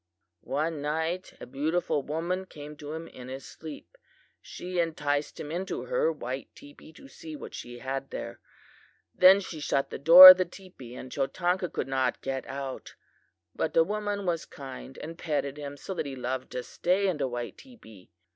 "One night a beautiful woman came to him in his sleep. She enticed him into her white teepee to see what she had there. Then she shut the door of the teepee and Chotanka could not get out. But the woman was kind and petted him so that he loved to stay in the white teepee.